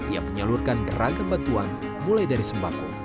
ia menyeluruhkan beragam bantuan mulai dari sembangkul